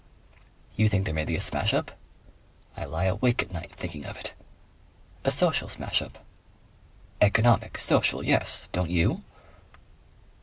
"You think there may be a smash up?" "I lie awake at night, thinking of it." "A social smash up." "Economic. Social. Yes. Don't you?"